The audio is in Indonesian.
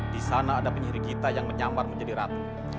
di sana ada penyihir gita yang menyamar menjadi ratu